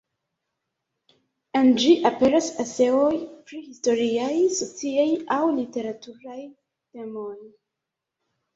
En ĝi aperas eseoj pri historiaj, sociaj aŭ literaturaj temoj.